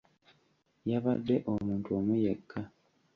Yabadde omuntu omu yekka.